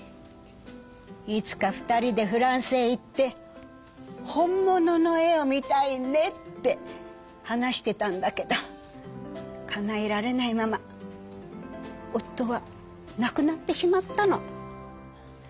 「いつか二人でフランスへ行って本物の絵を見たいね」って話してたんだけどかなえられないまま夫はなくなってしまったの。